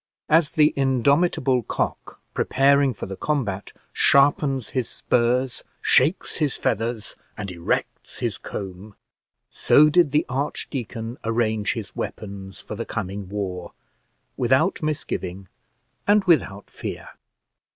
As the indomitable cock preparing for the combat sharpens his spurs, shakes his feathers, and erects his comb, so did the archdeacon arrange his weapons for the coming war, without misgiving and without fear.